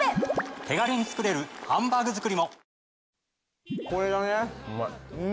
手軽に作れる「ハンバーグ作り」も。